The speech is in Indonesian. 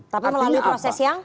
tapi melalui proses yang